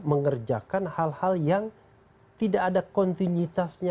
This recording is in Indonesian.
mengerjakan hal hal yang tidak ada kontinuitasnya